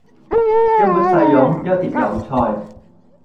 一碗細擁，一碟油菜